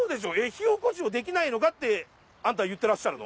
火おこしをできないのかってんた言ってらっしゃるの？